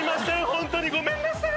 ホントにごめんなさい。